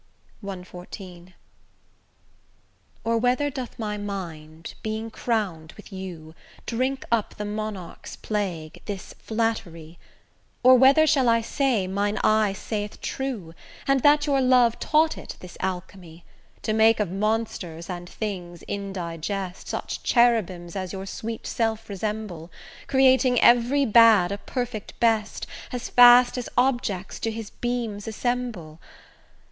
CXIV Or whether doth my mind, being crown'd with you, Drink up the monarch's plague, this flattery? Or whether shall I say, mine eye saith true, And that your love taught it this alchemy, To make of monsters and things indigest Such cherubins as your sweet self resemble, Creating every bad a perfect best, As fast as objects to his beams assemble?